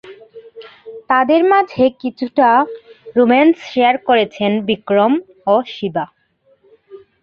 তাদের মাঝে কিছুটা রোম্যান্স শেয়ার করেছেন বিক্রম ও শিবা।